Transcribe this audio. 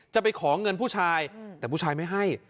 จะไปขอเงินผู้ชายแต่ผู้ชายไม่ให้